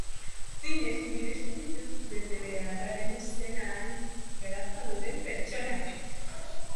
Zinez miresten ditut betebeharraren sena hain garatua duten pertsonak!